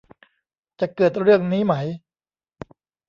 จะเกิดเรื่องนี้ไหม ?